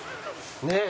ねえ。